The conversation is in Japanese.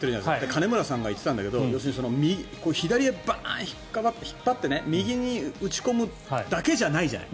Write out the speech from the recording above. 金村さんが言ってたんだけど左へ引っ張って右に打ち込むだけじゃないじゃない。